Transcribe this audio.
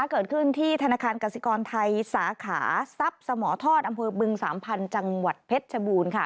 เกิดขึ้นที่ธนาคารกสิกรไทยสาขาทรัพย์สมทอดอำเภอบึงสามพันธุ์จังหวัดเพชรชบูรณ์ค่ะ